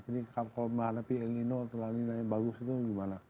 jadi kalau menghadapi el nino atau landina yang bagus itu gimana